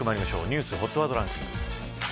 ニュースＨＯＴワードランキング